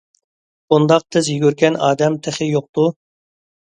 بۇنداق تېز يۈگۈرگەن ئادەم تېخى يوقتۇ!